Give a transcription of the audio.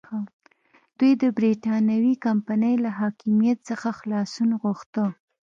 دوی د برېټانوي کمپنۍ له حاکمیت څخه خلاصون غوښته.